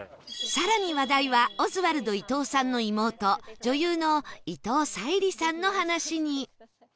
更に話題はオズワルド伊藤さんの妹女優の伊藤沙莉さんの話に